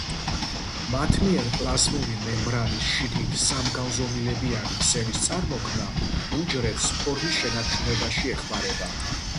მათი მიერ პლაზმური მემბრანის შიგნით სამგანზომილებიანი ქსელის წარმოქმნა, უჯრედს ფორმის შენარჩუნებაში ეხმარება.